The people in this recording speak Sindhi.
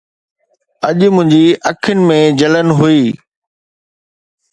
اڄ منهنجي اکين ۾ جلن هئي